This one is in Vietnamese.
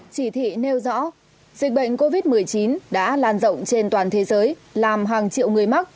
chỉ thị nêu rõ dịch bệnh covid một mươi chín đã lan rộng trên toàn thế giới làm hàng triệu người mắc